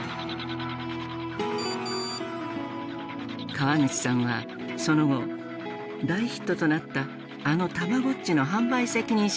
川口さんはその後大ヒットとなったあの「たまごっち」の販売責任者として活躍。